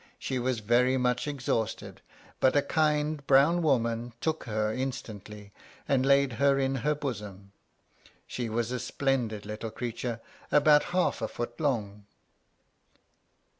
She was very much exhausted, but a kind brown woman took her instantly, and laid her in her bosom. She was a splendid little creature, about half a foot long.